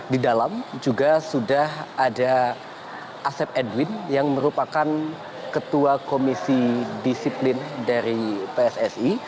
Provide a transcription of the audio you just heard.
di dalam juga sudah ada asep edwin yang merupakan ketua komisi disiplin dari pssi